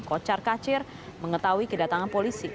kocar kacir mengetahui kedatangan polisi